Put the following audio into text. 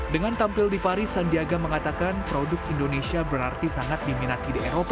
dengan tampil di paris sandiaga mengatakan produk indonesia berarti sangat dibuat